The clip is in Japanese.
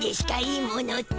いいものって。